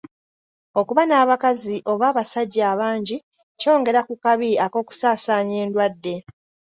Okuba n'abakazi oba abasajja abangi kyongera ku kabi ak'okusaasaanya endwadde.